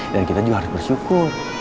dan kita juga harus bersyukur